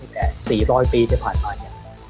แค่๔๐๐ปีได้ผ่านมา